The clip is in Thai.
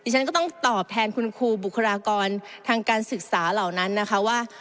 ฉันก็ต้องตอบแทนคุณครูบุคลากรทางการศึกษาเหล่านั้นนะคะว่า